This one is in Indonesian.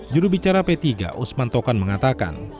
jurubicara p tiga usman tokan mengatakan